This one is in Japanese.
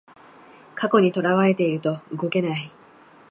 過去にとらわれてると動けない